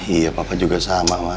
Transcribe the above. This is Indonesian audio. iya papa juga sama mas